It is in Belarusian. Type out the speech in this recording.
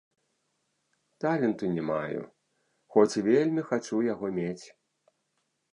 Таленту не маю, хоць вельмі хачу яго мець.